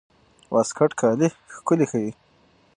واسکټ کالي ښکلي ښيي.